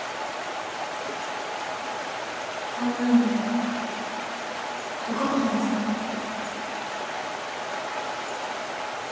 こんなんでよかったんですかね？